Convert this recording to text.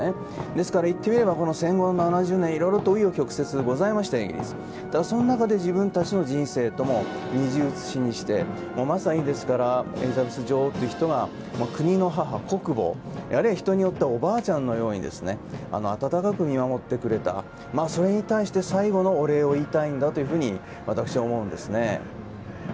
ですからいってみれば戦後７０年いろいろう余曲折がございましたがただその中で自分たちの人生とも二重写しにしてまさにエリザベス女王という人が国の母、国母人によってはおばあちゃんのように温かく見守ってくれたそれに対して最後のお礼を言いたいんだというふうに私は思うんですね。